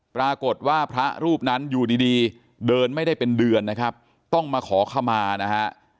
ปรากฏว่าพระรูปนั้นอยู่ดีดีเดินไม่ได้เป็นเดือนนะครับต้องมาขอขมานะฮะ